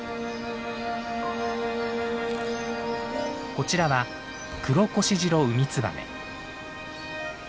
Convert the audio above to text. こちらはクロコシジロウミツバメ。